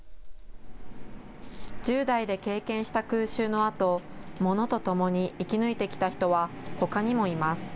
１０代で経験した空襲のあと物とともに生き抜いてきた人はほかにもいます。